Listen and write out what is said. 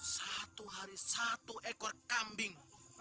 satu hari satu ekor kambing